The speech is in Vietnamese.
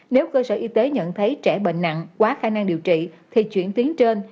nếu cơ sở y tế nhận thấy trẻ bệnh nặng quá khả năng điều trị thì chuyển tuyến trên